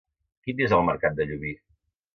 Quin dia és el mercat de Llubí?